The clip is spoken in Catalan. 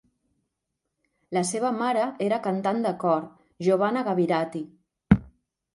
La seva mare era cantant de cor, Giovanna Gavirati.